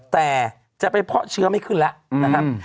แต่จะไปเพาะเชื้อไม่ขึ้นแล้วนะครับ